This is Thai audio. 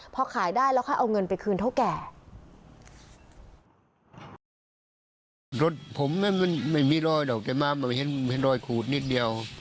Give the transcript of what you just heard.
พอขายได้แล้วค่อยเอาเงินไปคืนเท่าแก่